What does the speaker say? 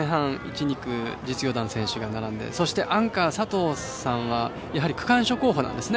２区実業団の選手が並んでそしてアンカーの佐藤さんはやはり区間賞候補なんですね。